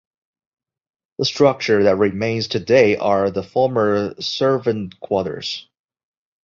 The structure that remains today are the former servant quarters.